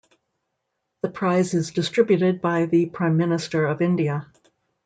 The prize is distributed by the Prime Minister of India.